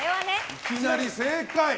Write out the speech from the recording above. いきなり正解。